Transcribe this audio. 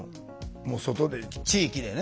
もう外で地域でね。